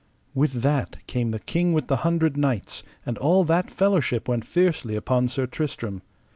With that came the King with the Hundred Knights, and all that fellowship went fiercely upon Sir Tristram.